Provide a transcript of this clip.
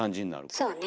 そうね。